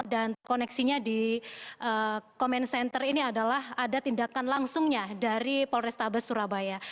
dan koneksinya di comment center ini adalah ada tindakan langsungnya dari forestabes surabaya